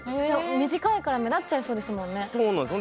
短いから目立っちゃいそうですもんねそうなんです